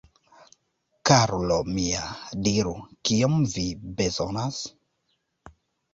Karulo mia, diru, kiom vi bezonas?